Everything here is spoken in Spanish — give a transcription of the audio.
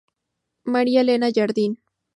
María Elena Jardín.